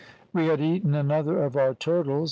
"We had eaten another of our turtles.